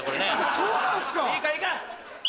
そうなんすか！